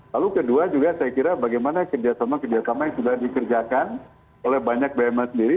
lalu kedua juga saya kira bagaimana kerjasama kerjasama yang sudah dikerjakan oleh banyak bumn sendiri